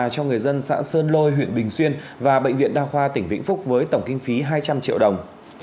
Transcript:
cho người dân xã sơn lôi huyện bình xuyên và bệnh viện đa khoa tỉnh vĩnh phúc với tổng kinh phí hai trăm linh triệu đồng